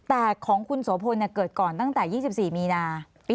แต่ของคุณโสพลเกิดก่อนตั้งแต่๒๔มีนา